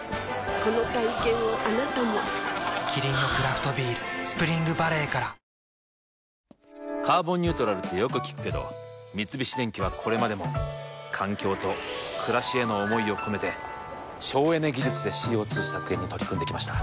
この体験をあなたもキリンのクラフトビール「スプリングバレー」から「カーボンニュートラル」ってよく聞くけど三菱電機はこれまでも環境と暮らしへの思いを込めて省エネ技術でＣＯ２削減に取り組んできました。